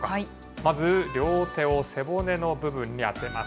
まず、両手を背骨の部分に当てます。